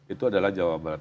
itu adalah jawa barat